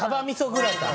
グラタン？